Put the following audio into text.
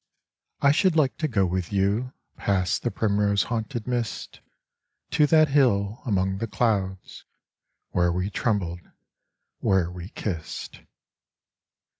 I should like to go with you Past the primrose haunted mist To that hill among the clouds Where we trembled, where we kissed.